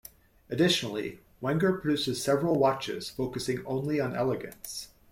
Additionally Wenger produces several watches focusing only on elegance.